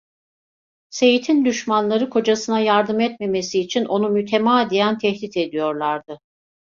Seyit'in düşmanları kocasına yardım etmemesi için onu mütemadiyen tehdit ediyorlardı.